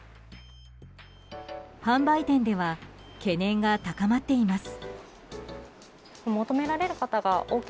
販売店では懸念が高まっています。